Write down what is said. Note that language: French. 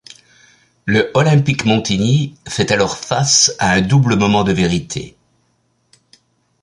Le Olympic Montignies fait alors face à un double moment de vérité.